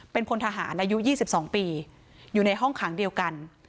เป็นพลทหารอายุ๒๒ปีอยู่ในห้องขังเดียวกัน